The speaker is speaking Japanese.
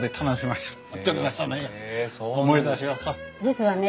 実はね